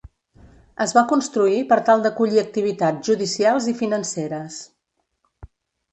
Es va construir per tal d'acollir activitats judicials i financeres.